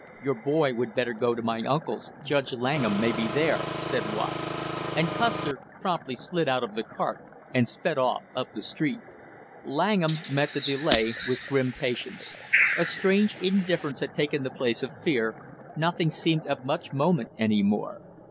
"Your boy would better go to my uncle's; Judge Langham may be there," said Watt. And Custer promptly slid out of the cart and sped off up the street. Langham met the delay with grim patience. A strange indifference had taken the place of fear, nothing seemed of much moment any more.